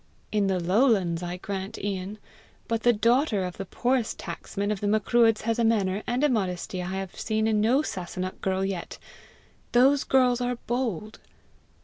"In the lowlands, I grant, Ian; but the daughter of the poorest tacksman of the Macruadhs has a manner and a modesty I have seen in no Sasunnach girl yet. Those girls are bold!"